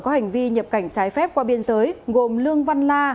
có hành vi nhập cảnh trái phép qua biên giới gồm lương văn la